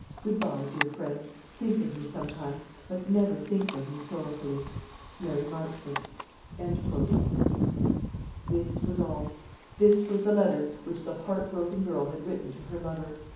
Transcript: Good bye, dear friend; think of me sometimes, but never think of me sorrowfully. "MARY MARCHMONT." This was all. This was the letter which the heart broken girl had written to her lover.